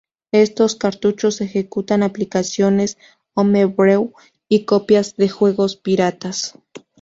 Estos cartuchos ejecutan aplicaciones homebrew y copias de juegos piratas.